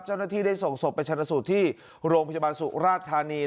เจ้าหน้าที่ได้ส่งศพไปชนะสูตรที่โรงพยาบาลสุราธานี